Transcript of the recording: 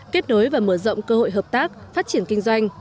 kết nối và mở rộng cơ hội hợp tác phát triển kinh doanh